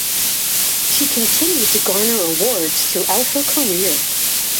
She continued to garner awards throughout her career.